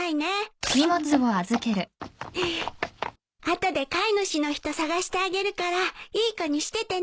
後で飼い主の人捜してあげるからいい子にしててね。